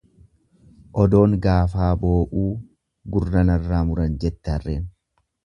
Odoon gaafaa boo'uu gurra narraa muran jette harreen.